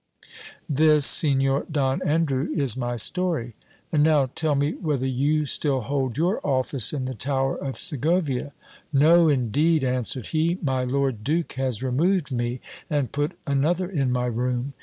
This, Signor Don Andrew, is my I story. And now tell me whether you still hold your office in the tower of Se gcvia. No, indeed ! answered he ; my lord duke has removed me, and put another in my room.